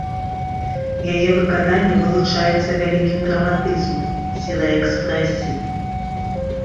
Яе выкананне вылучаецца вялікім драматызмам, сілай экспрэсіі.